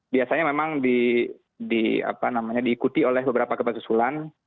biasanya memang diikuti oleh beberapa gempa susulan